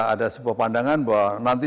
ada sebuah pandangan bahwa nanti